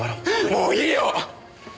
もういいよ！